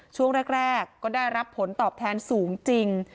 ช่วงแรกก็ได้รับผลตอบแทนสูงจริง